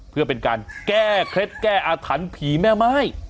เพื่อเป็นการแก้เคล็ดแก้อาถรรพ์ผีแม่ไม้